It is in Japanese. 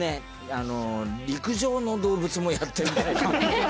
あの陸上の動物もやってみたいハハハ！